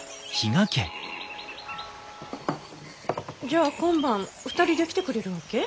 じゃあ今晩２人で来てくれるわけ？